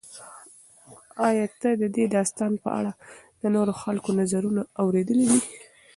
ایا ته د دې داستان په اړه د نورو خلکو نظرونه اورېدلي دي؟